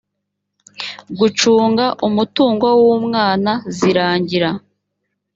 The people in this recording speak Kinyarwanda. gucunga umutungo w umwana zirangira